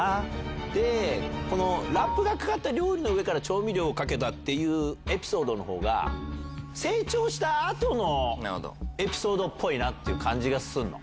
でこの「ラップがかかった料理の上から調味料をかけた」っていうエピソードのほうが成長した後のエピソードっぽい感じがするの。